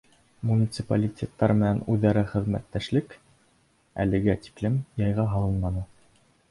— Муниципалитеттар менән үҙ-ара хеҙмәттәшлек әлегә тиклем яйға һалынманы.